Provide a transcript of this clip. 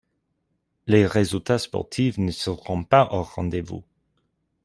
Les résultats sportifs ne seront pas au rendez-vous.